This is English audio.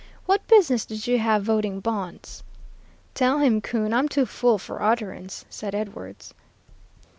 What business did you have voting bonds?" "Tell him, Coon. I'm too full for utterance," said Edwards.